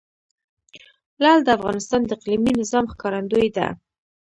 لعل د افغانستان د اقلیمي نظام ښکارندوی ده.